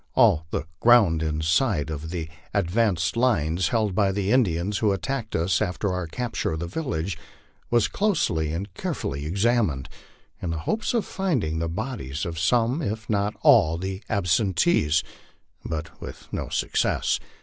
All the ground inside of the advanced lines held by the In dians who attacked us after our capture of the village was closely and care fully examined, in the hope of finding the bodies of some if not all the absen tees, but with no success.